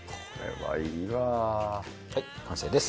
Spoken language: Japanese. はい完成です。